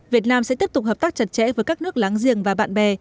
việt nam sẽ tiếp tục hợp tác chặt chẽ với các nước láng giềng và bạn bè